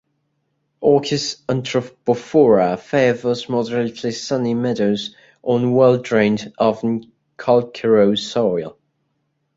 "Orchis anthropophora" favours moderately sunny meadows on well-drained, often calcareous soil.